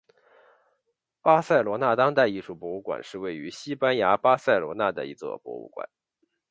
巴塞隆纳当代艺术博物馆是位于西班牙巴塞隆纳的一座博物馆。